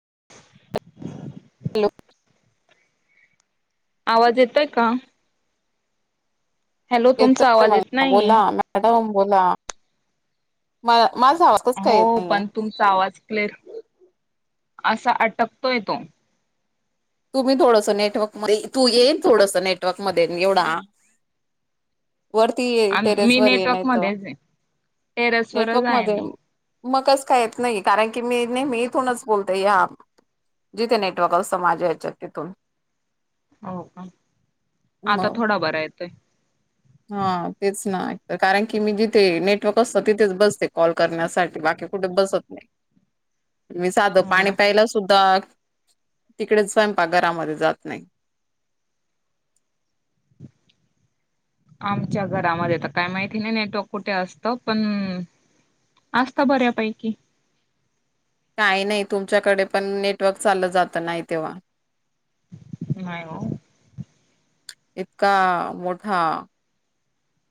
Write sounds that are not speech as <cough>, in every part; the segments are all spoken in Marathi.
<inaudible> हॅलो. आवाज येतोय का? हॅलो तुमचा येतोय आवाज येत मला नाहीये. बोला मॅडम बोला. मला हो पण तुमचा आवाज क्लेअर असा अटकतोय तो! तुम्ही थोडस नेटवर्क मध्ये तू ये थोडस नेटवर्क मध्ये एवढ आ <inaudible> वरती ये आम टेरेस मी वर ये नाही नेटवर्क त मध्येच आहे. नेटवर्क टेरेसवरच आहे मध्ये मी. म कस काय येत नाहीय कारण मी नेहमी इथूनच बोलते या जिथे नेटवर्क असतं माज याच्यात तिथून. हो का आता मग थोडा बरा येतोय. हा तेच ना कारण की मी जिथे नेटवर्क असत तिथेच बसते कॉल करण्यासाठी, बाकी कुठे बसत नाही. <inaudible> मी साधं हो पाणी ना. प्यायला सुद्धा तिकडे स्वयंपाकघरामध्ये जात नाही. <inaudible> आमच्या घरामध्ये त काय माहिती नाही नेटवर्क कुठे असत, पण असता बऱ्यापैकी काही नाही तुमच्याकडे पण नेटवर्क चालं जात नाही तेव्हा. नाही ओ. इतका मोठा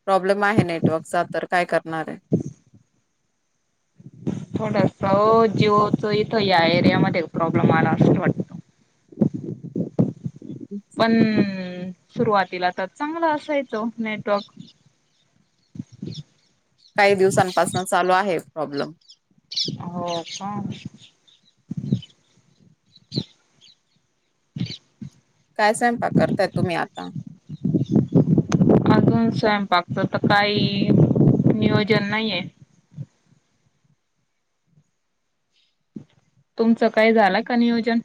प्रॉब्लेम आहे नेटवर्कचा तर काय करणारे थोडस जीओच इथं या एरियामध्येध्ये प्रॉब्लेम आला असच वाटत. पण सुरुवातीला तर चांगलं असायचं नेटवर्क काही दिवसांपासून चालू आहे प्रॉब्लेम हो का? <inaudible> काय स्वयंपाक करताय तुम्ही आता? पाक त काही नियोजन नाहीये. तुमचं काय झालं का नियोजन?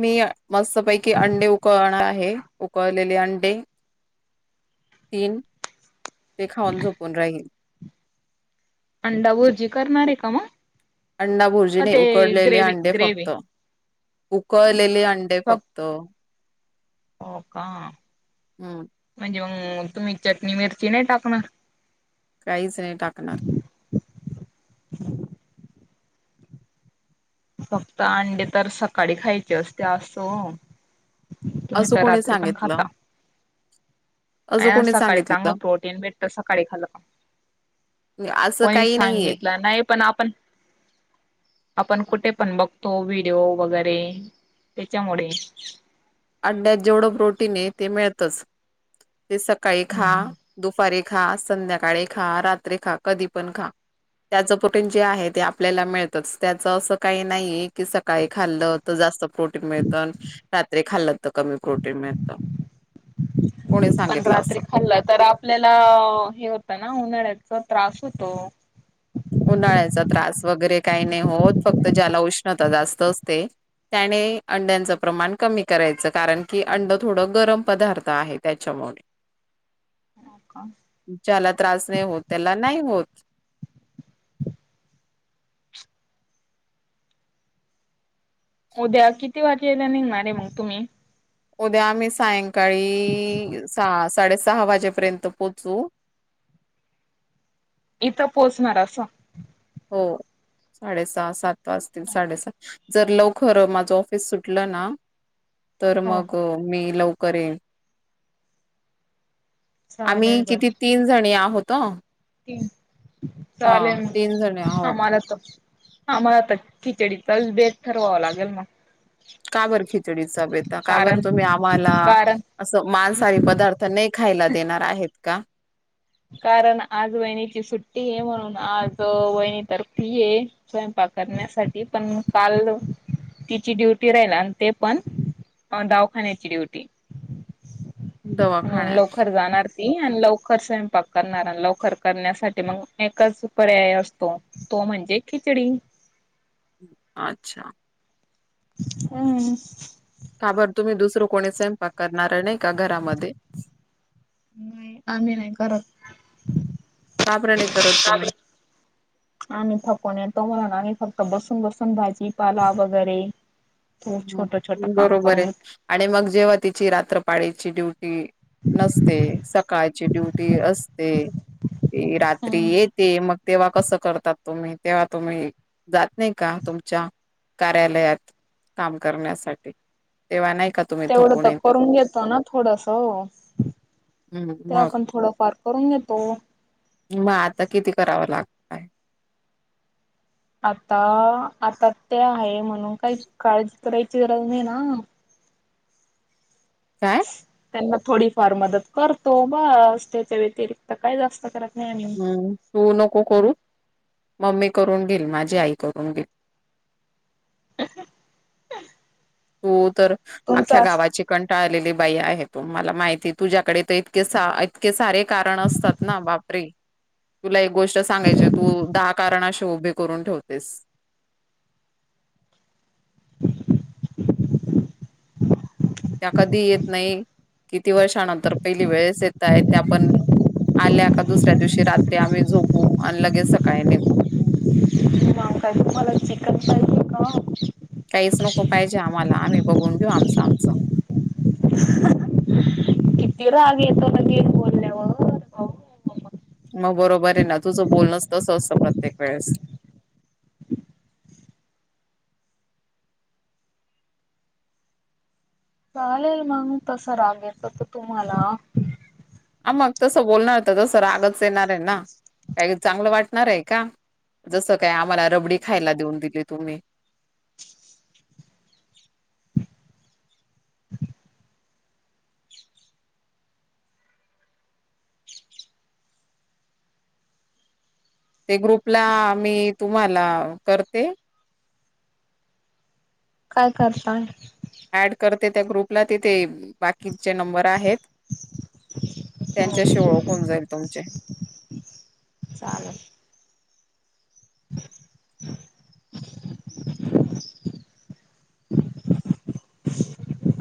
मी मस्तपैकी अंडे उकळणार आहे उकळलेले अंडे तीन ते खाऊन झोपून राहील. अंडा बूर्जी करणारे का मग? अंडा भुर्जी का नाही ते उकडलेले ग्रेवी अंडे ग्रेवी फक्त. उकळलेले अंडे फक्त. हो का? हम्म. हम्म तुम्ही चटणी मिरची नाही टाकणार. काहीच नाही टाकणार. फक्त अंडे तर सकाळी खायचे असते अस ओ. तुम्ही असं तर कोणी रात्री पण सांगितलं खाता. असं नाही कोणी सकाळी चांगलं सांगितलं प्रोटीन भेटत, सकाळी खाल्लं का? असं कोणी काही नाहीये सांगितलं नाही पण आपण पण कुठे पण बघतो व्हिडिओ वगैरे त्याच्यामुळे. अंड्ड्यात जेवढं प्रोटीने ते मिळतच ते सकाळी खा हम्म. दुपारी खा संध्याकाळी खा, रात्री खा, कधी पण खा. त्याच प्रोटीन जे आहे ते, आपल्याला मिळतच त्याच असं काही नाही की स- काळी खाल्लं तर जास्त प्रोटीन मिळतं खाल्ल तर कमी प्रोटीन मिळत. पण रात्री खाल्लं, तर आपल्याला हे होतं ना उन्हाळ्याच त्रास होतो. उन्हाळ्याचा त्रास ता जास्त असते. त्याने अंड्यांचं प्रमाण कमी करायचं कारण की, अंड थोडं गरम पदार्थ आहे त्याच्यामुळे <inaudible> हो का? ज्याला त्रास नाही होत त्याला नाही होत. उद्या किती वाजे यायला निघणार आहे मग तुम्ही? उद्या आम्ही सायंकाळी सहा- साडेसहा वाजेपर्यंत पोहोचू. <inaudible> इथं पोहोचणार असं. हो. साडेसहा सात वाजतील, साडेसात जर लवकर माझं ऑफिस सुटलं ना- ह. <inaudible> तर मग मी लवकर येईल. आम्ही चालेल किती तीन जणी आहोत. हा ले तीन जणी ह आहोत. मालातव <unintelligible> आमला तर खिचडी चाल बेट ठरवावं लागेल मग- <unintelligible> का बर खिचडीचा बेत, का बर कारण तुम्ही आम्हाला कारण असं मांसहारी पदार्थ नाही खायला देणार आहेत का? कारण आज वहिणीची सुट्टी आहे, म्हणून आज वहिणी तर फ्रि आहे स्वयंपा करण्यासाठी पण काल तिची ड्युटी राहिल आणि ते पण दवाखान्याची ड्युटी दवाखान्याची. त आणि लवकर स करणारा लवकर करण्यासाठी मग एकच पर्याय असतो, तो म्हणजे खिचडी. ह.. <inaudible> अच्छा. हम्म.. का बर, तुम्ही दुसरं कोणी स्वयंपाक करणार नाही का घरामध्ये? आम्ही नाही करत. का बरं नाही करत तुम्ही? आणि् थपून तोम्हाला कतो <unintelligible> बसून बसून भाजीपाला वगैरे ते ह छोटं छोटं काम बरोबर करून आहे आणि मग जेव्हा तिची रात्र सकाळीची ड्युटी नसते, सकाळची ड्युटी असते, - रात्री घेत येते, मग तेव्हा कसं करतात तुम्ही तेव्हा तुम्ही जात नाही का, तुमच्या कार्यालयात? काम करण्यासाठी तेव्हा नाही, का तुम्ही तेवढं थकून तर येत करून घेतो ना, थोडस. हम्म तेव्हा मग पण थोडंफार करून घेतो. मग आता किती करावं लागत- ते? आता, आता ते आहे म्हणून काही काळजी करायची गरज नाही ना काय? त्यांना थोडीफार मदत करतो बस, त्याच्या व्यतिरिक्त काय जास्त करा- हम्म तू नको करू- मम्मी करून घेईल, माझी आई करून घेईल, - <inaudible> तू तर आख्या तुमचा गावाची कंटाळलेली बाई आहे तु मला माहिती तुझ्याकडे इतके इतके सारे कारण असतात ना. बापरे! तुला एक गोष्ट सांगायची तू दहा कारणाशीे उभे करून ठेवतेस. अ.. त्या कधी येत नाही किती वर्षानंतर पहिली वेळेस येत आहे त्या पण आल्या का दुसऱ्या दिवशी रात्री आम्ही झोपू आणि लगेच सकाळी निघु. मग काय तुम्हाला चिकन पाहिजे का. काहीच नको पाहिजे आम्हाला आम्ही बघून घेऊ आमचा आमचा. किती राग येतो का काही बोलल्यावर. हवा हाव. मग बरोबर आहे ना तुझं बोलणंच तसं असतं प्रत्येक वेळेस. क <unintelligible> चालेल मग तस राग येतो तर तुम्हाला. हा मग तसं बोलणार तर तसं रागच येणार आहे, ना काही चांगलं वाटणार आहे का. जसं काय आम्हाला रबडी खायला देऊन दिली तुम्ही. <inaudible> ते ग्रुपला मी तुम्हाला करते. काय करताय? ऍड करते त्या ग्रुपला तिथे बाकीचे नंबर आहेत. हो त्यांच्याशी ओळख होऊन जाईल तुमची. चालेल. <inaudible>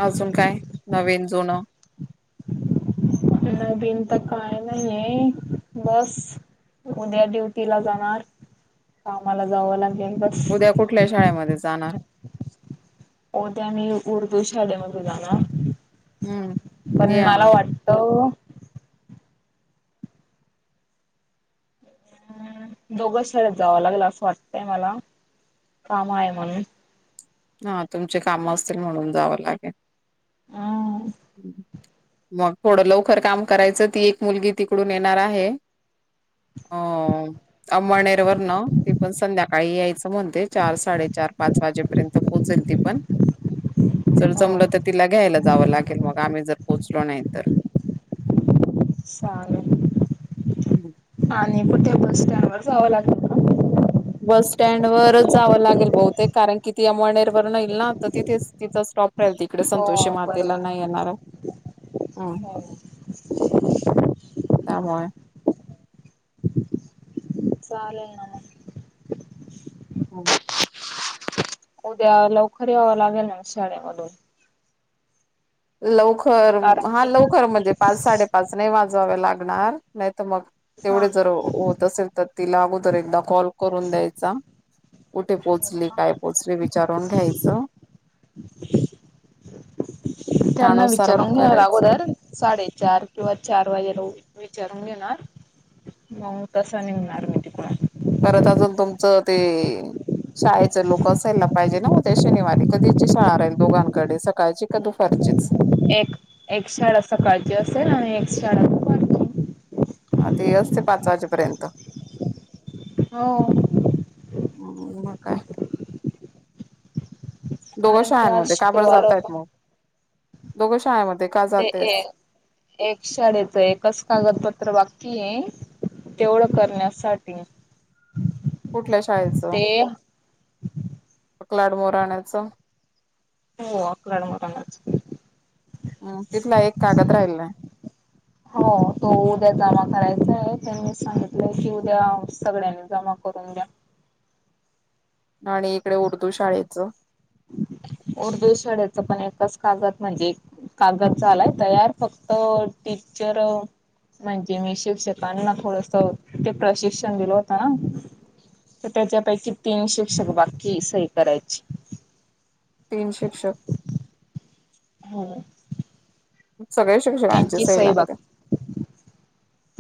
अजून काय नवीन जुनं. नवीन तर आता काय ननाही बस. उद्या ड्युटी ला जाणार कामाला जाव लागेल. बस. उद्या कुठल्या शाळेमध्ये जाणार? उद्या आम्ही उर्दू शाळेमध्येध जाणार. हम्म पण या मला वाटत ह दोघंच शाळ जावं लागल असं वाटतंय मला. कामा आहे म्हणून. हा तुमचे काम असतील म्हणून जावं लागेल. मग थोडं लवकर काम करायचं ती एक मुलगी तिकडून येणार आहे. अ अमळनेरवर न ती पण संध्याकाळी यायचं म्हणते चार साडेचार चार पाच वाजेपर्यंत. पोहचेल ती पण जर हो जमलं तर तिला घ्यायला जावं लागेल मग आम्ही जर पोचलो नाही तर. चालेल आणि कुठ्या बस स्टँड वर जावं लागेल. बस स्टँड वरच जावं लागेल बहुतेक कारण की, ती अमळनेरवरुन येईल ना तर तिथेच तिचा स्टॉप तिकडे हो संतोषी मातेला बरोबर. नाही येणार. हम्. हो का मय चालेल ना मग. हम. उद्या लवकर यावं लागेल ना शाळेमधून. लवकर कारण हा की लवकर म्हणजे पाच साडेपाच नाही वाजणार. जावे लागणार नाही तर मग हा तेवढे जर हो होत असेल. तर तिला अगोदर एकदा कॉल करून द्यायचा कुठे पोहोचली का? काय पोहोचली. विचारून घ्यायचं. त्यांना त्यानुसार मग विचारून घेणार करायचं अगोदर साडेचार किंवा चार वाजेला घेणार मग तसं निघणार मी तिकड. परत अजून तुमचं ते शाळेच लोक असायला पाइजे ना उद्या शनिवारे कधीची शाळा राहील दोगांकडे सकाळची का दुपारचीच एक एक शाळा सकाळची असेल आणि एक शाळा दुपारची आ ती असते पाच वाजेपरेंत हो म काय दोग कारण की आज शाळांमध्ये का बर शुक्रवार जातयत होता म दोघ शाळामध्ये ते ए एक शाळेच एकच कागदपत्र वाग तिये तेवढं करण्यासाटी कुटल्या शाळेचं क्लाड मोर आणायच हो अकडल मनाच तिथला एक कागद राहिला हो तो उद्या जमा कराय त्यांनी सांगितलंय की उद्याअ सगळ्यांनी जमा करून द्या आणि इकडे उर्दू शाळेच उर्दू शाळेचं पण एकच कागद म्हणजे कागदाच झालाय तयार फक्तअ टीचर म्हण्जे मी शिक्षकांना थोडस ते प्रशिक्षण दिल होतं ना त त्याच्यापैकी तीन शिक्षक बाकीय सही करायची तीन शिक्षक हो सगळे शिक्षगांचे त्यांची सही लागते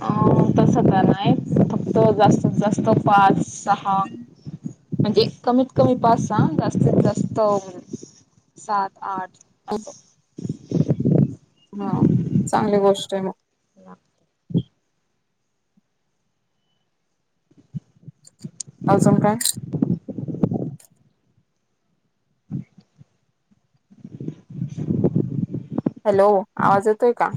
अं त सगळ नाय फक्त जास्तीत जास्त पाच सहा म्हण्जे कमीत कमी पाच सा जास्तीत जास्त अ सात आठ अस हा चांगली गोष्ट हे मग <inaudible> आजुन काय हॅलो आवाज येतोय का?